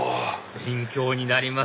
勉強になります